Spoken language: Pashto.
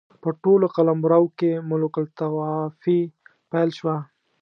په ټول قلمرو کې ملوک الطوایفي پیل شوه.